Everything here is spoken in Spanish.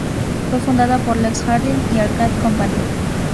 Fue fundada por Lex Harding y Arcade Company.